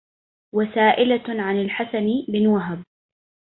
وسائلة عن الحسن بن وهب